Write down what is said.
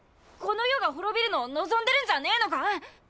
この世が滅びるのを望んでるんじゃねえのか！？